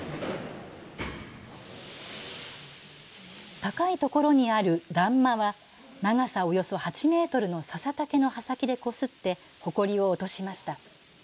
高いところにある欄間は長さおよそ８メートルのささ竹の葉先でこすってほこりを落としました。